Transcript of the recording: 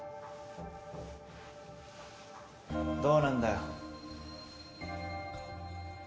どうなんだよ？